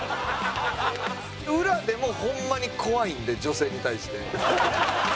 裏でもホンマに怖いんで女性に対して。